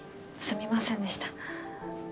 すみませんでした。